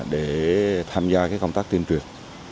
để tham gia cái công tác tuyên truyền